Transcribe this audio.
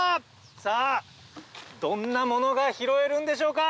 さぁどんなものが拾えるんでしょうか？